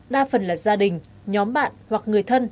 đa phần là gia đình nhóm bạn hoặc người thân